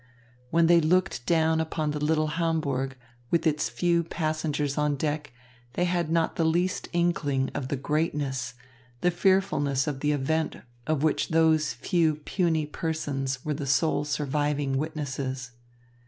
When they looked down upon the little Hamburg, with its few passengers on deck, they had not the least inkling of the greatness, the fearfulness of the event of which those few puny persons were the sole surviving witnesses.